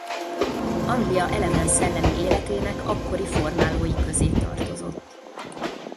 Anglia eleven szellemi életének akkori formálói közé tartozott.